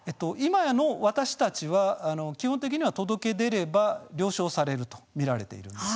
今の私たちは基本的には届け出れば了承されると見られるんです。